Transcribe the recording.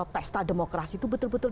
pesta demokrasi itu betul betul